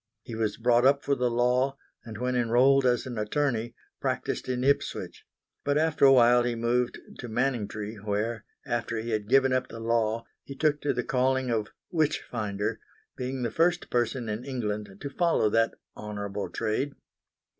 He was brought up for the law, and when enrolled as an attorney, practised in Ipswich; but after a while he moved to Manningtree where, after he had given up the law, he took to the calling of witch finder, being the first person in England to follow that honourable trade.